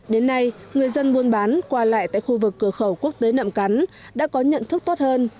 đến nay người dân buôn bán qua lại tại khu vực cửa khẩu quốc tế nậm cắn đã có nhận thức tốt hơn